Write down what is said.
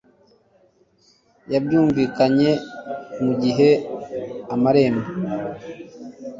yabyunvikanye mugihe amarembo